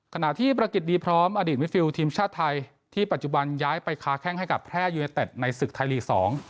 ขณะที่ประกิจดีพร้อมอดีตมิดฟิลทีมชาติไทยที่ปัจจุบันย้ายไปค้าแข้งให้กับแพร่ยูเนเต็ดในศึกไทยลีกสอง